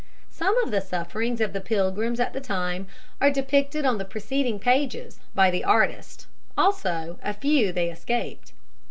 Some of the sufferings of the Pilgrims at the time are depicted on the preceding pages by the artist, also a few they escaped.